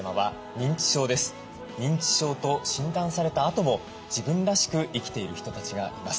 認知症と診断されたあとも自分らしく生きている人たちがいます。